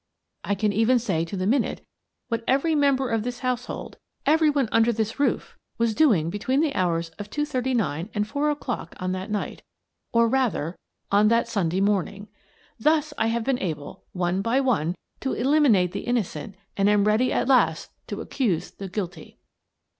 I can even say to the minute what every member of this household, every one under this 258 Miss Fiances Baird, Detective roof, was doing between die hoars of two thirty ntne and four o'dock 00 that night — or, rather, 00 that Sunday morning, Thus I hate been able, one by one, to eliminate die innocent and am ready at bit to accose the guilty.